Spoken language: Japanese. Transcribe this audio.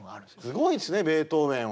すごいですねベートーベンは。